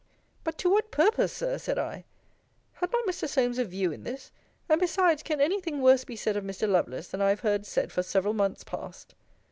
But to what purpose, Sir! said I Had not Mr. Solmes a view in this? And, besides, can any thing worse be said of Mr. Lovelace, than I have heard said for several months past?